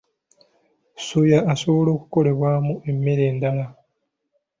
Soya asobola okukolebwamu emmere endala.